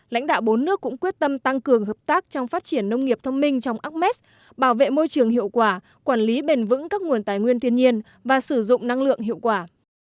lãnh đạo bốn nước cũng quyết tâm tăng cường hợp tác trong phát triển nông nghiệp thông minh trong acmes bảo vệ môi trường hiệu quả quản lý bền vững các nguồn tài nguyên thiên nhiên và sử dụng năng lượng hiệu quả